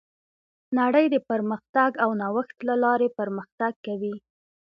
نړۍ د پرمختګ او نوښت له لارې پرمختګ کوي.